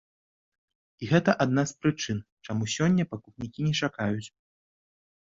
І гэта адна з прычын, чаму сёння пакупнікі не чакаюць.